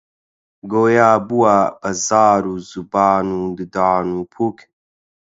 گۆیا بووە بە زار و زوبان و ددان و پووک: